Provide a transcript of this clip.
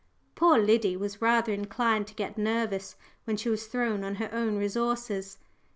Poor Liddy was rather inclined to get nervous when she was thrown on her own resources.